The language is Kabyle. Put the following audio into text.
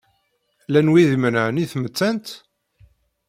Llan wid imenɛen i tmettant?